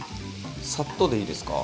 サッとでいいですか？